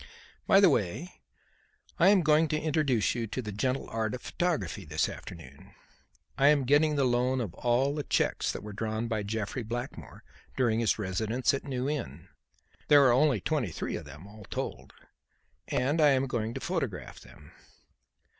By the way, I am going to introduce you to the gentle art of photography this afternoon. I am getting the loan of all the cheques that were drawn by Jeffrey Blackmore during his residence at New Inn there are only twenty three of them, all told and I am going to photograph them."